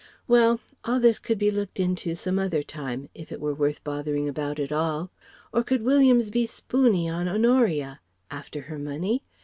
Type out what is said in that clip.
Well! All this could be looked into some other time, if it were worth bothering about at all. Or could Williams be spoony on Honoria? After her money?